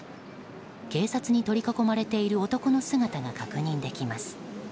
警察に取り囲まれている男の姿が確認できます。